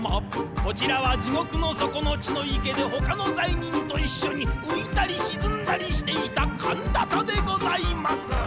「こちらは地獄の底の血の池で、ほかの罪人と一緒に、浮いたり沈んだりしていたカンダタでございます。」